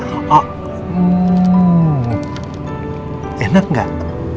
enak gak enak